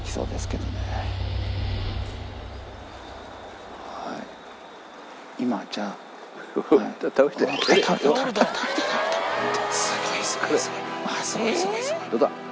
どうだ？